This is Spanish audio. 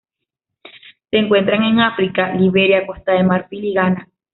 Se encuentran en África: Liberia, Costa de Marfil y Ghana.